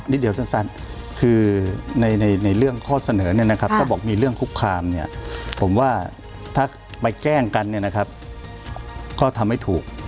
เดียวสั้นคือในเรื่องข้อเสนอเนี่ยนะครับถ้าบอกมีเรื่องคุกคามเนี่ยผมว่าถ้าไปแจ้งกันเนี่ยนะครับก็ทำไม่ถูก